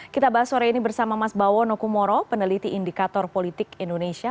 kita bahas sore ini bersama mas bawono kumoro peneliti indikator politik indonesia